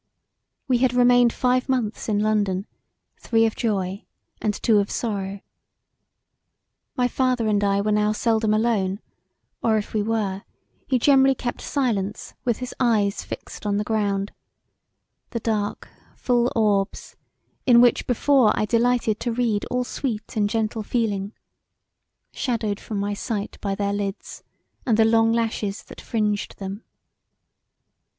We had remained five months in London three of joy and two of sorrow. My father and I were now seldom alone or if we were he generally kept silence with his eyes fixed on the ground the dark full orbs in which before I delighted to read all sweet and gentle feeling shadowed from my sight by their lids and the long lashes that fringed them.